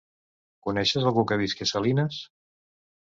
Coneixes algú que visqui a Salines?